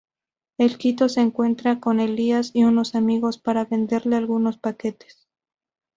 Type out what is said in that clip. En Quito se encuentran con Elías y unos amigos, para venderle algunos paquetes.